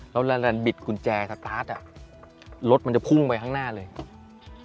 เรารันบิดกุญแจสตาร์ทเขาจะพุ่งไปข้างหน้านี่คือการเหลือ